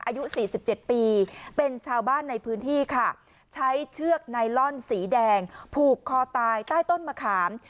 อายุ๔๗ปีเป็นชาวบ้านในพื้นที่ค่ะใช้เชือกไนลอนสีแดงผูกคอตายใต้ต้นมะขาม